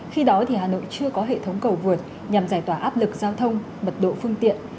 khi đó hà nội chưa có hệ thống cầu vượt nhằm giải tỏa áp lực giao thông mật độ phương tiện